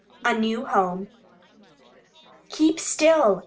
A NEW HOME "Keep still!"